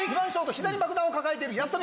膝に爆弾を抱えている安富。